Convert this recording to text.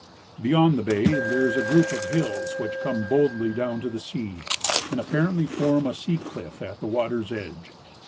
Beyond the bay there is a group of hills which come boldly down to the sea, and apparently form a sea cliff at the water's edge.